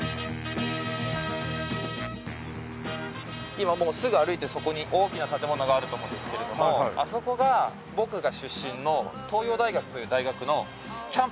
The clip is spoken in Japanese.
今もうすぐ歩いてそこに大きな建物があると思うんですけれどもあそこが僕が出身の東洋大学という大学のキャンパスになります。